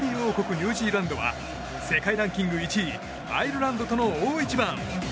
ニュージーランドは世界ランキング１位アイルランドとの大一番。